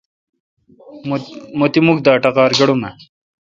مہ تی مکھ دا اٹقار گڑومہ۔